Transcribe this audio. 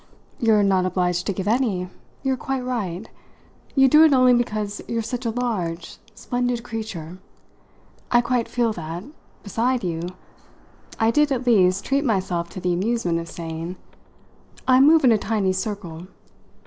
"You're not obliged to give any you're quite right: you do it only because you're such a large, splendid creature. I quite feel that, beside you" I did, at least, treat myself to the amusement of saying "I move in a tiny circle.